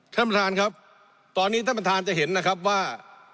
ท่านประธานครับตอนนี้ท่านประธานจะเห็นนะครับว่า